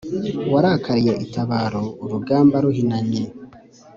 warakaliye itabaro urugamba ruhinamye,